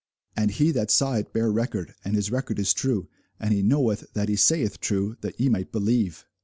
And he that saw it bare record, and his record is true: and he knoweth that he saith true, that ye might believe.